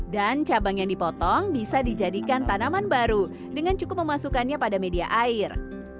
dan cabang yang dipotong bisa dijadikan tanaman baru dengan cukup memasukkannya pada media air